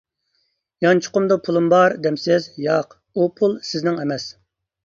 «يانچۇقۇمدا پۇلۇم بار» دەمسىز، ياق، ئۇ پۇل سىزنىڭ ئەمەس.